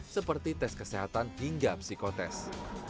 seperti tes kesehatan hingga psikotest